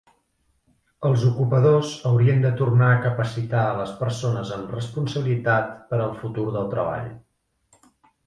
Els ocupadors haurien de tornar a capacitar a les persones amb responsabilitat per al futur del treball.